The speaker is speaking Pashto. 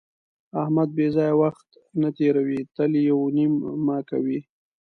احمد بې ځایه وخت نه تېروي، تل یوه نیمه کوي.